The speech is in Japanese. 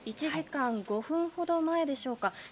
１時間５分ほど前でしょうか